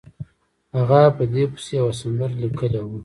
هغه په دې پسې یوه سندره لیکلې وه.